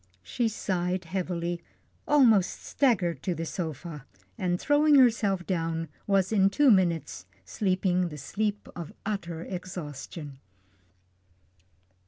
She sighed heavily, almost staggered to the sofa, and throwing herself down, was in two minutes sleeping the sleep of utter exhaustion.